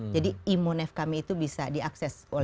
jadi imun fkm itu bisa diakses oleh publik